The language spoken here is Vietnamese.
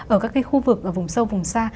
ở các cái khu vực vùng sâu vùng xa